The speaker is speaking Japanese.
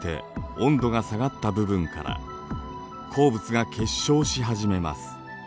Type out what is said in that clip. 温度が下がった部分から鉱物が結晶し始めます。